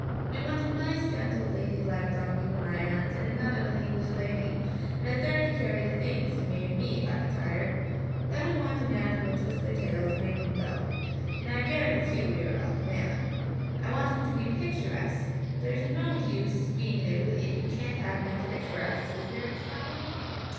We want a nice, gentle, lady like donkey for my aunt, and another for the English lady, and a third to carry the things and maybe me, if I get tired. Then we want a man who will twist their tails and make them go; and I am very particular about the man. I want him to be picturesque there's no use being in Italy if you can't have things picturesque, is there, Gustavo?'